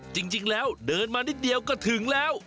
จริงแล้วเดินมานิดเดียวก็ถึงแล้ว